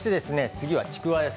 次はちくわです。